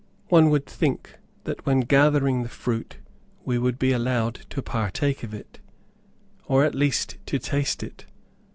One would think that when gathering the fruit we would be allowed to partake of it, or at least to taste it.